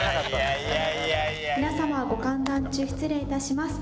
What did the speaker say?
皆様ご歓談中失礼いたします。